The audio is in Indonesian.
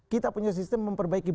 kita punya sistem memperbaiki